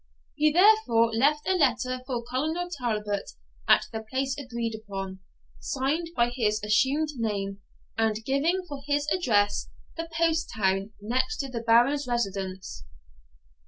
He therefore left a letter for Colonel Talbot at the place agreed upon, signed by his assumed name, and giving for his address the post town next to the Baron's residence.